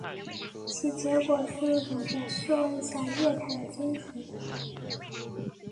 其结果是一种在室温下液态的金属。